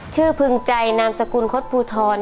ชื่อเพิงใจนามศกุลคสพูทอน